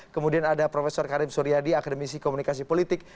kemudian ada prof karim suryadi akademisi komunikasi politik